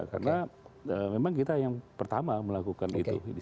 karena memang kita yang pertama melakukan itu